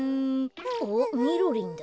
あっみろりんだ。